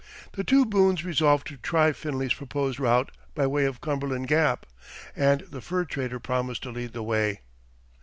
The two Boones resolved to try Finley's proposed route by way of Cumberland Gap, and the fur trader promised to lead the way.